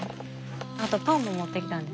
あとパンも持ってきたんです。